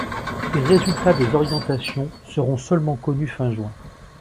Les résultats des orientations seront seulement connus fin juin.